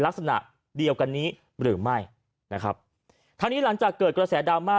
ลักษณะเดียวกันนี้หรือไม่นะครับทางนี้หลังจากเกิดกระแสดราม่า